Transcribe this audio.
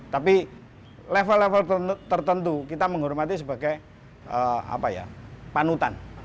tapi level level tertentu kita menghormati sebagai panutan